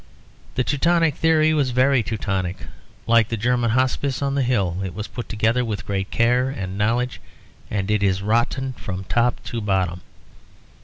The Teutonic theory was very Teutonic; like the German Hospice on the hill it was put together with great care and knowledge and it is rotten from top to bottom.